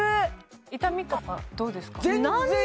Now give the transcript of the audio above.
痛みとかどうですか？